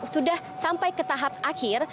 sudah sampai ke tahap akhir